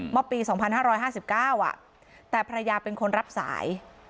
เมื่อปี๒๕๕๙แต่ภรรยาเป็นคนรับสาย